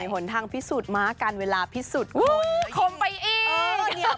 ใช่ทางพิสูจน์มากันเวลาพิสูจน์โคมไปอีก